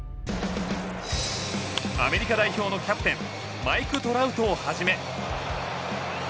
アメリカ代表のキャプテンマイク・トラウトをはじめ。